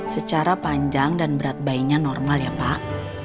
secara panjang dan berat bayinya normal ya pak